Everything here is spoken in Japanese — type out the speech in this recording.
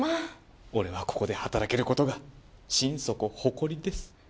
俺はここで働けることが心底誇りです。